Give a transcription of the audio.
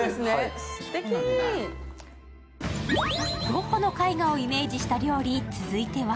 ゴッホの絵画をイメージしたお料理、続いては、